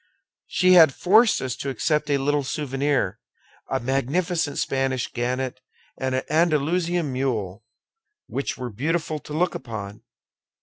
She had forced us to accept a little souvenir, a magnificent Spanish genet and an Andalusian mule, which were beautiful to look upon.